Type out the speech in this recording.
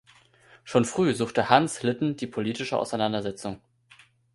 Schon früh suchte Hans Litten die politische Auseinandersetzung.